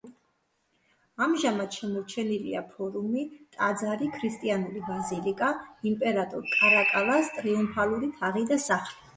ამჟამად შემორჩენილია ფორუმი, ტაძარი, ქრისტიანული ბაზილიკა, იმპერატორ კარაკალას ტრიუმფალური თაღი და სახლი.